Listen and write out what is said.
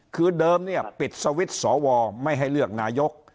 คือเดิมเนี่ยปิดสวิตช์สวไม่ให้เลือกนายก